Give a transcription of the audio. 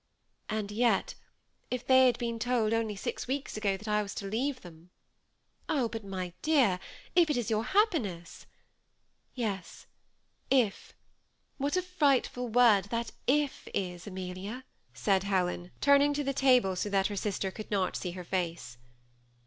^' And yet, if they had been told only six weeks ago that I was to leave them "" Ah I but, my dear, if it is your happiness "" Yes, if: what a frightful word that if is, Amelia !'* said Helen, turning to the table so that her sister could not see her face.